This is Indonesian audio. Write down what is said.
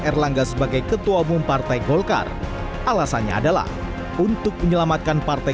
erlangga sebagai ketua umum partai golkar alasannya adalah untuk menyelamatkan partai